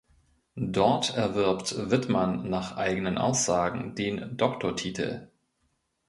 Dort erwirbt Widmann nach eigenen Aussagen den Doktortitel.